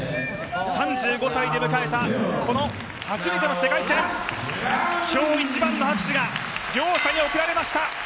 ３５歳で迎えた初めての世界戦、今日一番の拍手が両者に送られました。